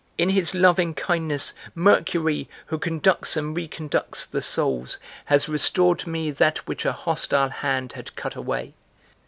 In his loving kindness, Mercury, who conducts and reconducts the souls, has restored to me that which a hostile hand had cut away.